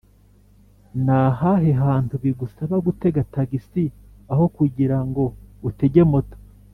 Nahahe hantu bigusaba gutega taxi aho kugirango utege moto